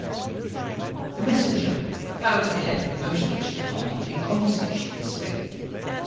The messenger found the head of the Postage Department in conversation with Psmith.